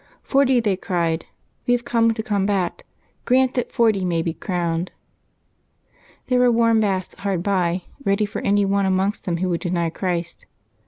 ^' Forty," they cried, " we have come to combat : grant that forty may be crowned.'' There were warm baths hard by, ready for any one amongst them who would deny Christ.